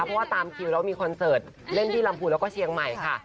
เพราะว่าตามคิวแล้วมีคอนเสิร์ตเล่นที่ลำพูนแล้วก็เชียงใหม่ค่ะ